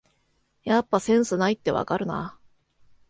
やっぱセンスないってわかるな